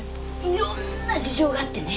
色んな事情があってね